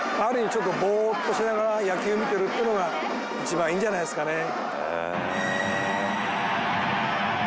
ちょっとボーッとしながら野球を見てるっていうのが一番いいんじゃないですかね。